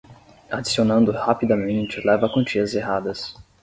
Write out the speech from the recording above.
Adicionando rapidamente leva a quantias erradas.